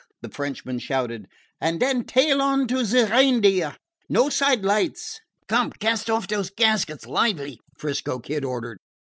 the Frenchman shouted. "And den tail on to ze Reindeer! No side lights!" "Come! Cast off those gaskets lively!" 'Frisco Kid ordered.